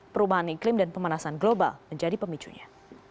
perubahan iklim dan pemanasan global menjadi pemicunya